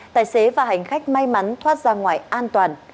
tài xế và hành khách may mắn thoát ra ngoài an toàn